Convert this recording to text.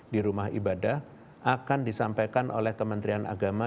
di rumah ibadah akan disampaikan oleh kementerian agama